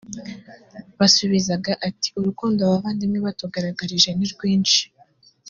basubizaga ati “urukundo abavandimwe batugaragarije ni rwinshi”